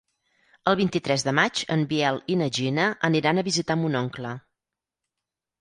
El vint-i-tres de maig en Biel i na Gina aniran a visitar mon oncle.